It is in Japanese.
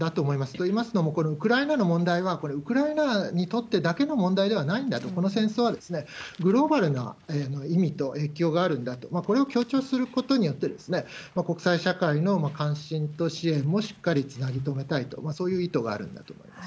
といいますのも、このウクライナの問題は、ウクライナにとってだけの問題ではないんだと、この戦争はグローバルな意味と影響があるんだと、これを強調することによって、国際社会の関心と支援もしっかりつなぎ留めたいと、そういう意図があるんだと思います。